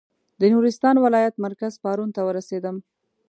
د نورستان ولایت مرکز پارون ته ورسېدم.